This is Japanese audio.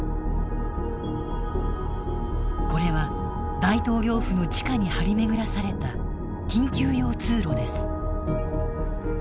これは大統領府の地下に張り巡らされた緊急用通路です。